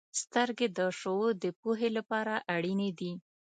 • سترګې د شعور د پوهې لپاره اړینې دي.